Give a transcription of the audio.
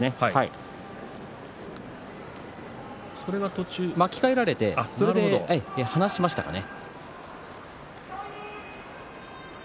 途中巻き替えられて放しましたかね。